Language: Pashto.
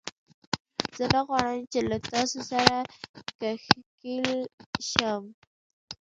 زه نه غواړم چې له تاسو سره ښکېل شم